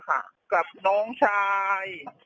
ความกับน้องชาย